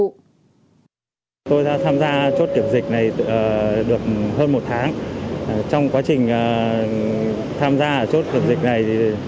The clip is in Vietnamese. được hơn một tháng trong quá trình tham gia ở chốt dịch này